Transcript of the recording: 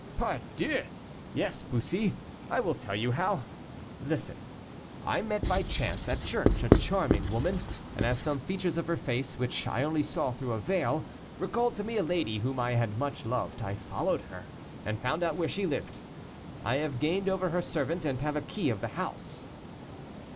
"Pardieu! yes, Bussy, I will tell you how. Listen; I met, by chance, at church, a charming woman, and as some features of her face, which I only saw through a veil, recalled to me a lady whom I had much loved, I followed her, and found out where she lived. I have gained over her servant, and have a key of the house."